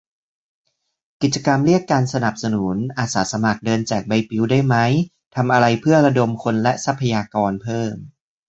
กิจกรรมเรียกการสนับสนุน อาสาสมัครเดินแจกใบปลิวได้ไหม ทำอะไรเพื่อระดมคนและทรัพยากรเพิ่ม